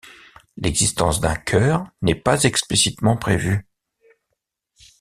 L'existence d'un chœur n'est pas explicitement prévue.